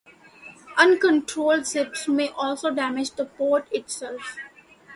Uncontrolled jibes may also damage the boat itself.